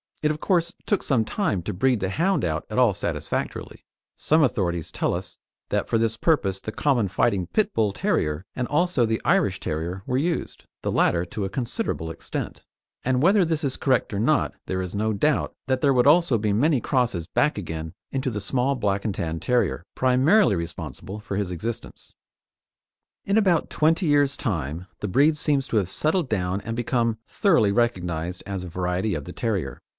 It, of course, took some time to breed the hound out at all satisfactorily; some authorities tell us that for this purpose the common fighting pit Bull terrier and also the Irish Terrier were used, the latter to a considerable extent; and whether this is correct or not there is no doubt that there would also be many crosses back again into the small Black and Tan Terrier, primarily responsible for his existence. In about twenty years' time, the breed seems to have settled down and become thoroughly recognised as a variety of the terrier.